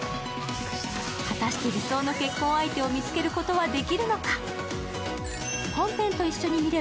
果たして理想の結婚相手を見つけることはできるのか。